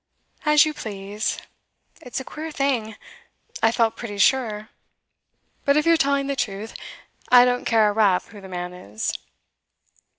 'As you please. It's a queer thing; I felt pretty sure. But if you're telling the truth, I don't care a rap who the man is.